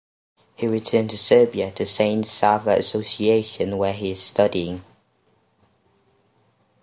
He returned to Serbia, to St Sava association, where he his studying.